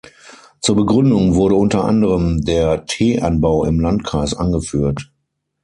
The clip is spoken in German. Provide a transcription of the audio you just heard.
Zur Begründung wurde unter anderem der Teeanbau im Landkreis angeführt.